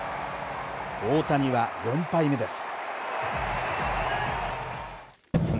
大谷は４敗目です。